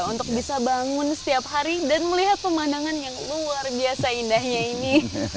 untuk bisa bangun setiap hari dan melihat pemandangan yang luar biasa indahnya ini